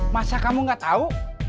masa kamu gak tau